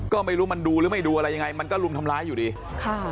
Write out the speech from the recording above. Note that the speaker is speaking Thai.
ก็ไม่รู้มันดูหรือไม่ดูอะไรยังไงมันก็ลุมทำร้ายอยู่ดีค่ะ